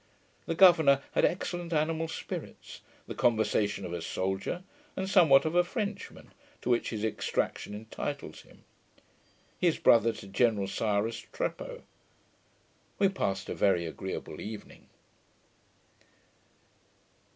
The governour had excellent animal spirits, the conversation of a soldier, and somewhat of a Frenchman, to which his extraction entitles him. He is brother to General Cyrus Trapaud. We passed a very agreeable evening.